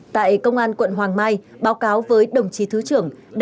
tại công an quận hoàng mai báo cáo với đồng chí thứ trưởng